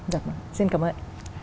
dạ vâng xin cảm ơn